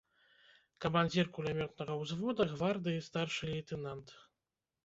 Камандзір кулямётнага ўзвода, гвардыі старшы лейтэнант.